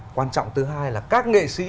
quan trọng thứ hai là các nghệ sĩ